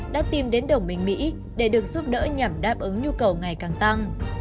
đã tìm đến đồng minh mỹ để được giúp đỡ nhằm đáp ứng nhu cầu ngày càng tăng